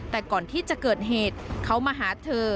แต่ก่อนที่จะเกิดเหตุเขามาหาเธอ